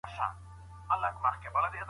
د لويي جرګې له پاره غړي څوک ټاکي؟